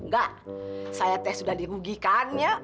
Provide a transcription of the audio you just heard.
enggak saya teh sudah dirugikan ya